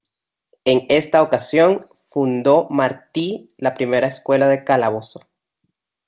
En esta ocasión fundó Martí la primera escuela de "Calabozo".